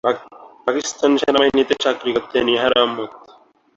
পাকিস্তান সেনাবাহিনীতে চাকরি করতেন এয়ার আহমদ।